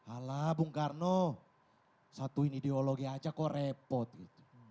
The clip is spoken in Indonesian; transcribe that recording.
ala bung karno satuin ideologi aja kok repot gitu